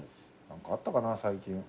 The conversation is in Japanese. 何かあったかな最近。